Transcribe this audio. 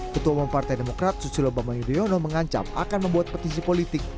ketua umum partai demokrat susilo bambang yudhoyono mengancam akan membuat petisi politik